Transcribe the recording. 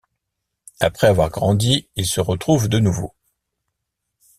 Après avoir grandi, ils se retrouvent de nouveau.